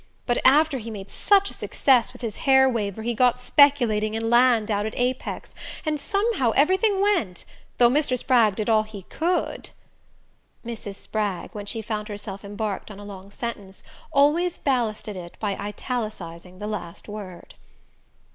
But after he made such a success with his hair waver he got speculating in land out at Apex, and somehow everything went though Mr. Spragg did all he COULD ." Mrs. Spragg, when she found herself embarked on a long sentence, always ballasted it by italicizing the last word.